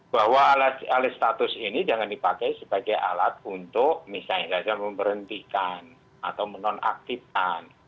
bahwa alih status ini jangan dipakai sebagai alat untuk misalnya saja memberhentikan atau menonaktifkan